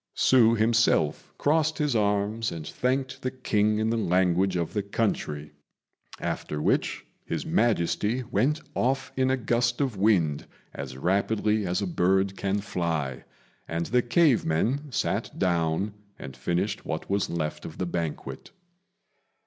Hsü himself crossed his arms and thanked the King in the language of the country, after which His Majesty went off in a gust of wind as rapidly as a bird can fly, and the cave men sat down and finished what was left of the banquet.